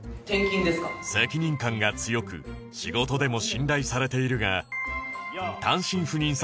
責任感が強く仕事でも信頼されているが